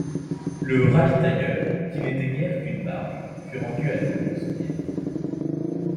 Le ravitailleur, qui n'était guère qu'une barge, fut rendu à l'Union soviétique.